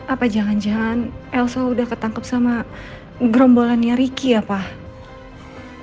apa jangan jangan elsa udah ketangkep sama gerombolannya ricky ya pak